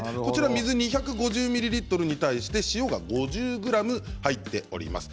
水２５０ミリリットルに対して塩が５０ｇ入っております。